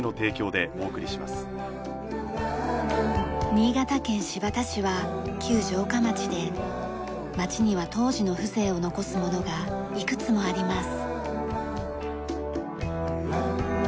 新潟県新発田市は旧城下町で街には当時の風情を残すものがいくつもあります。